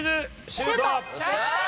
シュート！